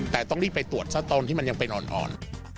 แต่ต้องรีบไปตรวจซะตอนที่มันยังเป็นอ่อน